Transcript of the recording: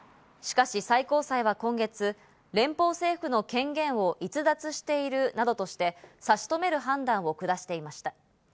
しかし最高裁は今月、連邦政府の権限を逸脱しているなどとして、差し止める判断を下していました。